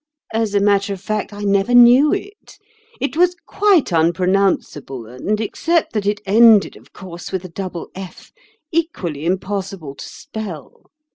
As a matter of fact, I never knew it. It was quite unpronounceable and, except that it ended, of course, with a double f, equally impossible to spell.